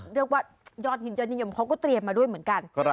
เรียกว่ายอดหินจริงเขาก็เตรียมมาด้วยเหมือนกัน